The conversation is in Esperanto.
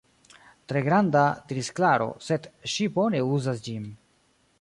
Tre granda, diris Klaro, sed ŝi bone uzas ĝin.